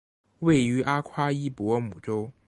位于阿夸伊博姆州。